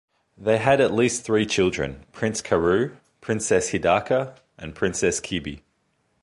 They had at least three children, Prince Karu, Princess Hidaka and Princess Kibi.